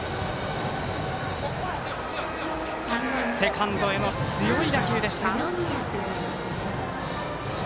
セカンドへの強い打球でした。